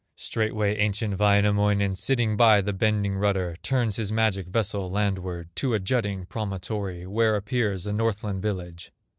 Straightway ancient Wainamoinen, Sitting by the bending rudder, Turns his magic vessel landward, To a jutting promontory, Where appears a Northland village.